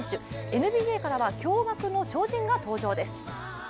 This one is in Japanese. ＮＢＡからは驚がくの超人が登場です。